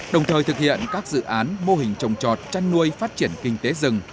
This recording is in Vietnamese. đồng thời thực hiện các dự án mô hình trồng trọt chăn nuôi phát triển kinh tế rừng